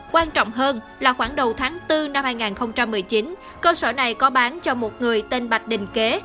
quan trọng hơn là khoảng đầu tháng bốn năm hai nghìn một mươi chín cơ sở này có bán cho một người tên bạch đình kế